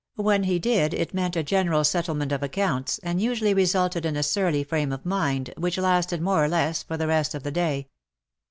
When he did, it meant a general settlement of accounts^ and usually resulted in a surly frame of mind, which lasted, more or less, for the rest of the day.